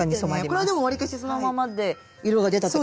これはでもわりかしそのままで色が出たって感じですね。